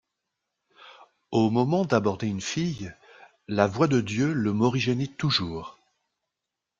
Au moment d'aborder une fille, la voix de Dieu le morigénait toujours.